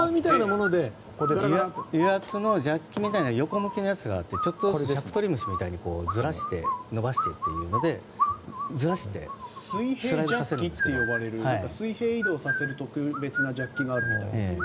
油圧のジャッキみたいな横向きのやつがあってちょっとずつ尺取り虫みたいにずらして伸ばしてというので水平ジャッキと呼ばれる水平移動させる特別なジャッキがあるみたいですね。